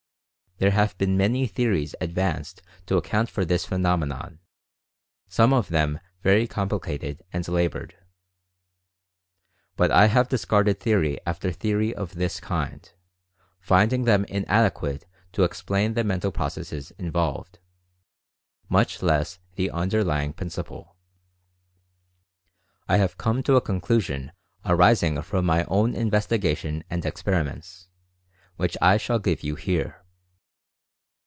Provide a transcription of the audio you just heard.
There have been many theories advanced to account for this phenomenon, some of them very com plicated and labored. But I have discarded theory after theory of this kind, finding them inadequate to explain the mental processes involved, much less the underlying principle. I have come to a conclusion arising from my own investigation and experiments, which I shall give you here.